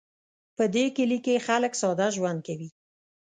په دې کلي کې خلک ساده ژوند کوي